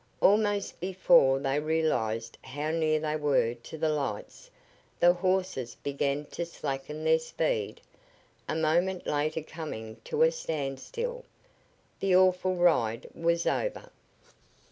Almost before they realized how near they were to the lights, the horses began to slacken their speed, a moment later coming to a standstill. The awful ride was over.